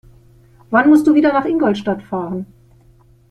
Wann musst du wieder nach Ingolstadt fahren?